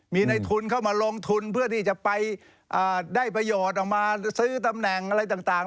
มีในทุนเข้ามาลงทุนเพื่อที่จะไปได้ประโยชน์ออกมาซื้อตำแหน่งอะไรต่าง